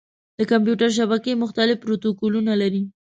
د کمپیوټر شبکې مختلف پروتوکولونه لري.